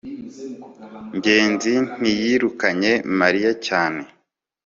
ngenzi ntiyirukanye mariya cyane